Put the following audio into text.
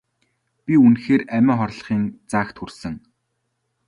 Би үнэхээр амиа хорлохын заагт хүрсэн.